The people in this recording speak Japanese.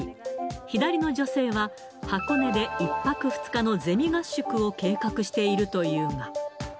左の女性は、箱根で１泊２日のゼミ合宿を計画しているというが。